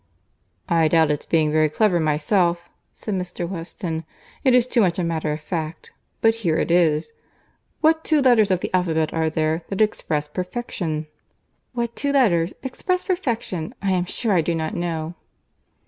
"I doubt its being very clever myself," said Mr. Weston. "It is too much a matter of fact, but here it is.—What two letters of the alphabet are there, that express perfection?" "What two letters!—express perfection! I am sure I do not know."